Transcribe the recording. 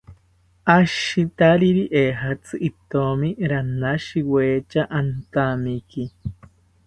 Ashitariri ejatzi itomi ranashiweta antamiki